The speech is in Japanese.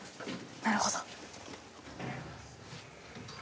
なるほど。